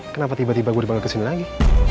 kenapa tiba tiba gue dibangun kesini lagi